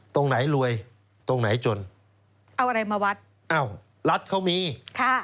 ตรงไหนรวยตรงไหนจนเอาอะไรมาวัดอ้าวรัฐเขามีค่ะ